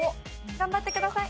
頑張ってください。